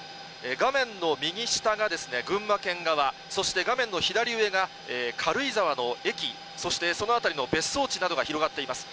画面の右下が、群馬県側、そして画面の左上が軽井沢の駅、そしてその辺りの別荘地などが広がっています。